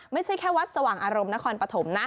ไม่ใช่แค่วัดสวรรค์อารมณครปฐม